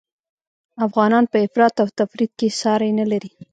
افغانان په افراط او تفریط کي ساری نلري